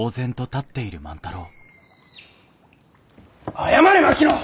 謝れ槙野！